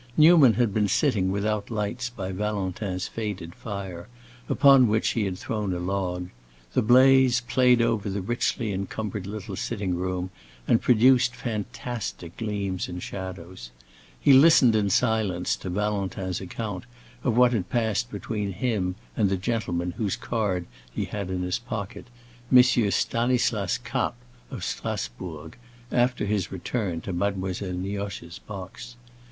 Newman had been sitting without lights by Valentin's faded fire, upon which he had thrown a log; the blaze played over the richly encumbered little sitting room and produced fantastic gleams and shadows. He listened in silence to Valentin's account of what had passed between him and the gentleman whose card he had in his pocket—M. Stanislas Kapp, of Strasbourg—after his return to Mademoiselle Nioche's box.